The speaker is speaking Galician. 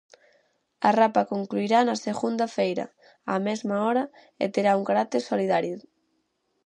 A rapa concluirá na segunda feira, á mesma hora, e terá un carácter solidario.